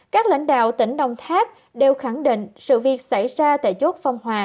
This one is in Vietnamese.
các lãnh đạo tỉnh đồng tháp đều khẳng định sự việc xảy ra tại chốt phong hòa